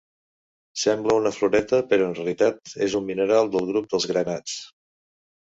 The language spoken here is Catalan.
Sembla una floreta, però en realitat és un mineral del grup dels granats.